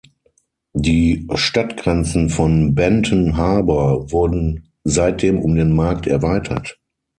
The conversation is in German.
Die Stadtgrenzen von Benton Harbor wurden seitdem um den Markt erweitert.